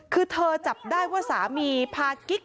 คือเธอจับได้ว่าสามีพากิ๊ก